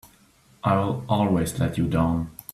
I'll always let you down!